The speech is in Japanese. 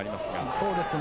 そうですね。